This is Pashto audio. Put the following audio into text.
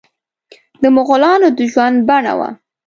د مغولانو د ژوند بڼه وه.